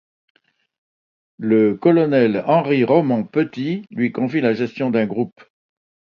Le colonel Henri Romans-Petit lui confie la gestion d'un groupe.